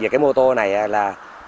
đúng về cái mô tô này là